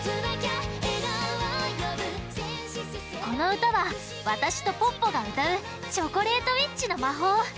このうたはわたしとポッポがうたう「チョコレートウィッチの魔法」！